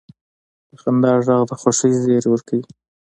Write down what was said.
د خندا ږغ د خوښۍ زیری ورکوي.